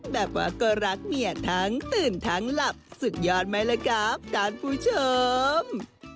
แบบว่าก็รักเมียทั้งตื่นทั้งหลับสุดยอดไหมล่ะครับท่านผู้ชม